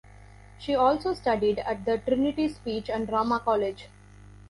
She also studied at the Trinity Speech and Drama College.